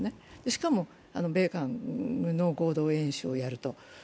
しかも、米韓の合同演習をやると。